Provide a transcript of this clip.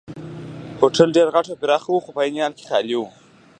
هوټل ډېر غټ او پراخه وو خو په عین حال کې خالي وو.